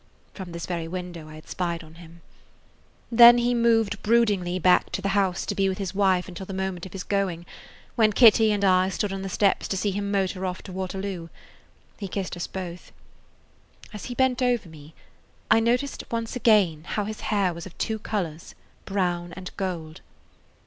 (From this very window I had spied on him.) Then he moved [Page 11] broodingly back to the house to be with his wife until the moment of his going, when Kitty and I stood on the steps to see him motor off to Waterloo. He kissed us both. As he bent over me I noticed once again how his hair was of two colors, brown and gold.